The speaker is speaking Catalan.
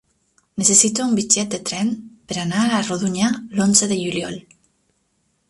Necessito un bitllet de tren per anar a Rodonyà l'onze de juliol.